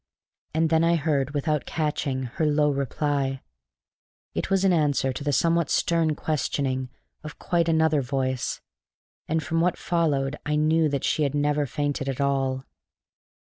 And then I heard, without catching, her low reply; it was in answer to the somewhat stern questioning of quite another voice; and from what followed I knew that she had never fainted at all.